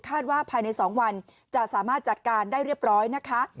ว่าภายใน๒วันจะสามารถจัดการได้เรียบร้อยนะคะ